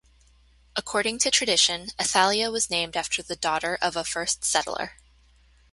According to tradition, Athalia was named after the daughter of a first settler.